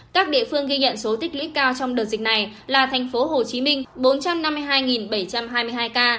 các địa phương ghi nhận số tích lũy cao trong đợt dịch này là thành phố hồ chí minh bốn trăm năm mươi hai bảy trăm hai mươi hai ca